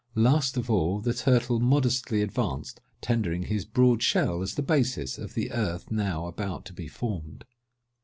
Last of all the turtle modestly advanced, tendering his broad shell as the basis of the earth now about to be formed.